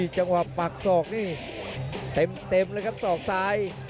จังหวะปักศอกนี่เต็มเลยครับศอกซ้าย